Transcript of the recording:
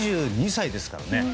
２２歳ですからね